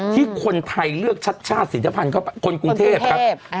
ที่คนไทยเลือกชาชศิษยภัณฑ์เข้าไป